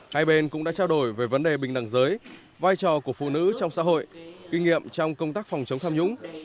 hai bên cũng đã trao đổi về vấn đề bình đẳng giới vai trò của phụ nữ trong xã hội kinh nghiệm trong công tác phòng chống tham nhũng